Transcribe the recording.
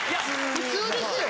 普通ですよ。